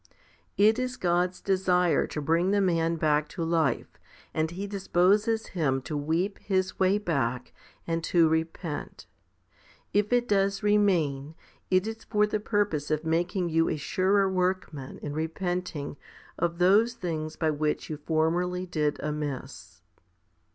It is God's desire to bring the man back to life, and He disposes him to weep his way back and to repent. If it does remain, it is for the purpose of making you a surer workman in repenting of those things by which you formerly did amiss.